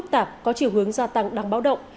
tạp có chiều hướng gia tăng đáng báo động